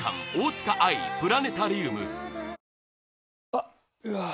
あっ、うわー。